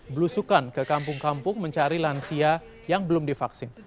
belusukan ke kampung kampung mencari lansia yang belum divaksin